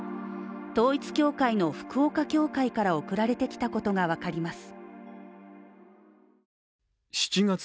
統一教会の福岡教会から送られてきたことがわかります。